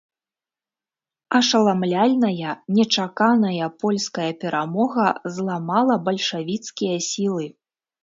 Ашаламляльная, нечаканая польская перамога зламала бальшавіцкія сілы.